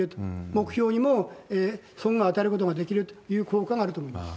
目標にも損害を与えることができる効果があると思います。